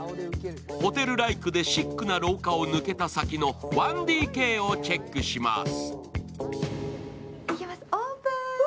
ホテルライクでシックな廊下を抜けた先の１ＤＫをチェックします。